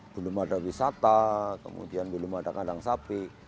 belum ada wisata kemudian belum ada kandang sapi